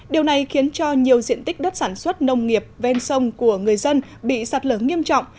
điều này khiến cho nhiều diện tích đất sản xuất nông nghiệp ven sông của người dân bị sạt lở nghiêm trọng